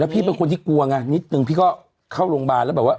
แล้วพี่เป็นคนที่กลัวง่ะนิดหนึ่งพี่ก็เข้าโรงบาลแล้วแบบว่า